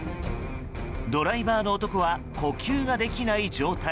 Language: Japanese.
ドライバーの男は呼吸ができない状態。